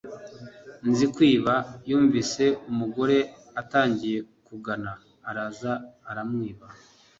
Nzikwiba yumvise umugore atangiye kugona araza aramwiba